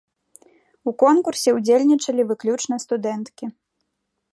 У конкурсе ўдзельнічалі выключна студэнткі.